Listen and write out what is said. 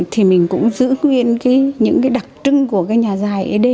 thì mình cũng giữ nguyên những đặc trưng của nhà dài ấy đê